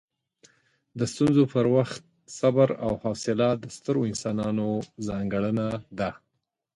د ستونزو پر وخت صبر او حوصله د سترو انسانانو ځانګړنه ده.